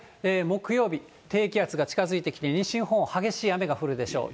木曜日、低気圧が近づいてきて、西日本、激しい雨が降るでしょう。